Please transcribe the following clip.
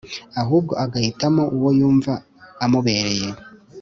ahubwo agahitamo uwo yumva amubereye